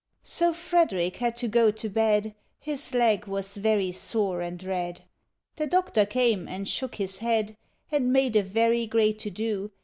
So Frederick had to go to bed ; His leg was very sore and red! The Doctor came and shook his head, And made a very great to do.